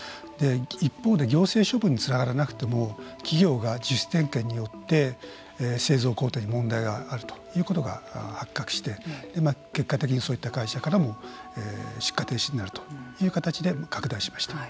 一方で、行政処分につながらなくても企業が自主点検によって製造工程に問題があるということが発覚して結果的にそういった会社からも出荷停止になるという形で拡大しました。